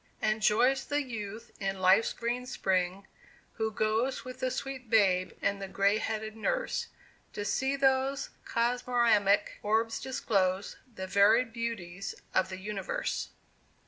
And joys the youth in life's green spring, who goes With the sweet babe and the gray headed nurse, To see those Cosmoramic orbs disclose The varied beauties of the universe.